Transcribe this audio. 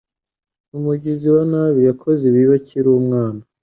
Umugizi wa nabi yakoze ibibi akiri umwana.